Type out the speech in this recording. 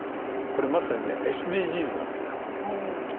これはまさにＳＤＧｓなんですよ。